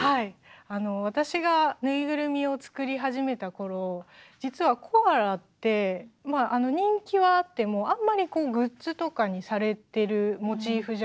私がぬいぐるみを作り始めた頃実はコアラって人気はあってもあんまりグッズとかにされてるモチーフじゃなかったんですよ。